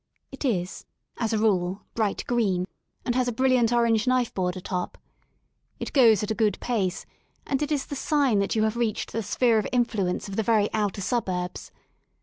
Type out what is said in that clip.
It is, as a rule, bright green, and has a brilliant orange knifeboard atop. It goes at a good pace, and it is the sign that you have reached the sphere of influence of the very outer suburbs.